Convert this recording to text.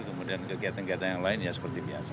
kemudian kegiatan kegiatan yang lain ya seperti biasa